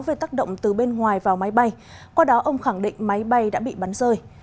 về tác động từ bên ngoài vào máy bay qua đó ông khẳng định máy bay đã bị bắn rơi